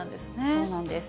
そうなんです。